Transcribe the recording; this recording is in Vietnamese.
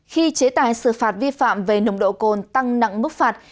khi chế tài xử phạt vi phạm về nồng độ cồn tăng nặng mức phạt